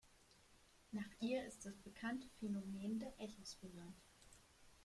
Nach ihr ist das bekannte Phänomen des Echos benannt.